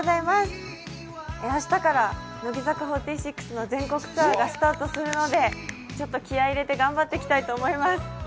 明日から乃木坂４６の全国ツアーがスタートするのでちょっと気合い入れて頑張っていきたいと思います。